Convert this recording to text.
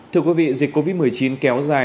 thưa quý vị dịch covid một mươi chín kéo dài